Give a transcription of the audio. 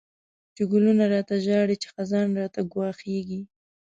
چی گلونه را ته ژاړی، چی خزان راته گواښیږی